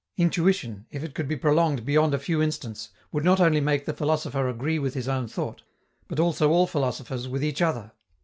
Intuition, if it could be prolonged beyond a few instants, would not only make the philosopher agree with his own thought, but also all philosophers with each other.